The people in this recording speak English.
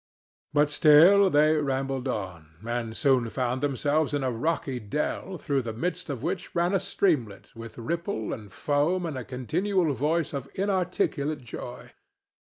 But still they rambled on, and soon found themselves in a rocky dell through the midst of which ran a streamlet with ripple and foam and a continual voice of inarticulate joy.